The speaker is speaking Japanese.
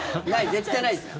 絶対ないですか？